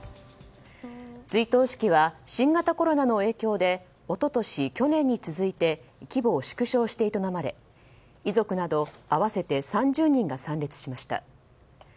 追悼式は新型コロナの影響で一昨年、去年に続いて規模を縮小して営まれ遺族など合わせて３０人が参列しました。